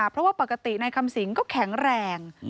เพราะว่าปกตินายคำสิงก็แข็งแรง